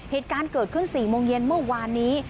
เหตุการณ์เกิดขึ้น๔โมงเย็นเมื่อวานนี้